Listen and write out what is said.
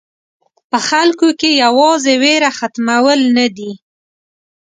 په خلکو کې یوازې وېره ختمول نه دي.